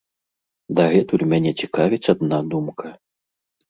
Дагэтуль мяне цікавіць адна думка.